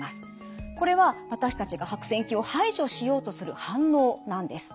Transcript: これは私たちが白癬菌を排除しようとする反応なんです。